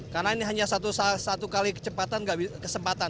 karena ini hanya satu kali kesempatan